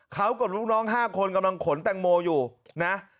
เขากับลูกน้อง๕คนกำลังขนแตงโมอยู่นะ